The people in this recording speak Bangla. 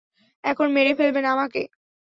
এখন মেরে ফেলবেন আমাকে?